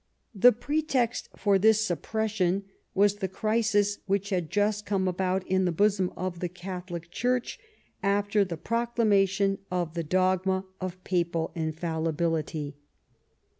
The pretext for this suppression was the crisis which had just come about in the bosom of the Catholic Church after the pro clamation of the dogma of Papal Infallibility.